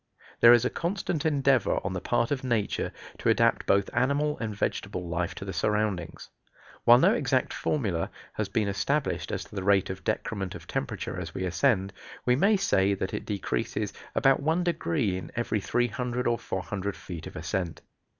There is a constant endeavor on the part of nature to adapt both animal and vegetable life to the surroundings. While no exact formula has been established as to the rate of decrement of temperature as we ascend, we may say that it decreases about one degree in every 300 or 400 feet of ascent.